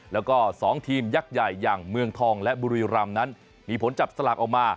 แล้วก็๒ทีมยักษ์ใหญ่อย่างเมืองทองและบุรีรำนั้นมีผลจับสลากออกมา